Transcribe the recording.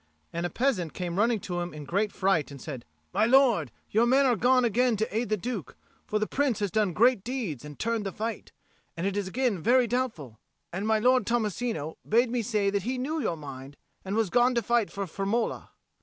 And a peasant came running to him in great fright and said, "My lord, your men are gone again to aid the Duke; for the Prince has done great deeds, and turned the fight, and it is again very doubtful: and my lord Tommasino bade me say that he knew your mind, and was gone to fight for Firmola."